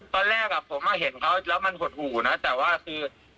ตอนแรกผมเห็นเขาแล้วมันหดหู่นะแต่ว่าคือ